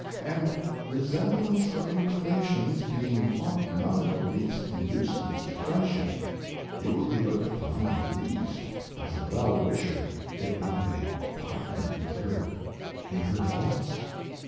And Resemblance of Inclinations being thought none of the least Inducements to Friendship, you wiU be looked upon at least as a Well wisher if not a Partner with her in her Faults.